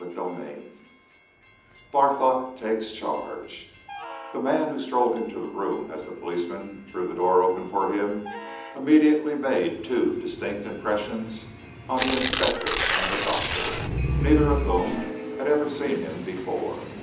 CHAPTER III BARTHORPE TAKES CHARGE The man who strode into the room as the policeman threw the door open for him immediately made two distinct impressions on the inspector and the doctor, neither of whom had ever seen him before.